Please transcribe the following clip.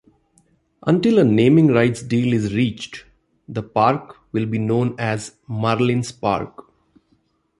Until a naming-rights deal is reached, the park will be known as Marlins Park.